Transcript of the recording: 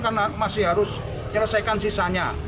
karena masih harus menyelesaikan sisanya